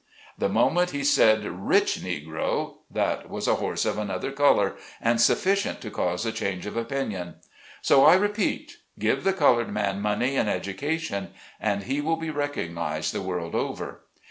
The moment he said rich Negro that was a horse of another color, and sufficient to cause a change of opinion. So I repeat, give the colored man money and education and he will be recognized the world over.